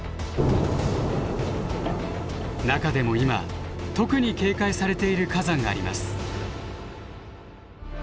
中でも今特に警戒されている火山があります。